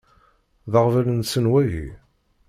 D aɣbel-nsen wagi?